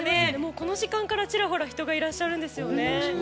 この時間からちらほら人がいらっしゃるんですよね。